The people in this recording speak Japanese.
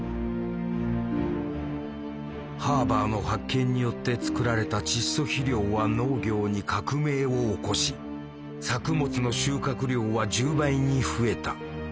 ハーバーの発見によって作られた窒素肥料は農業に革命を起こし作物の収穫量は１０倍に増えた。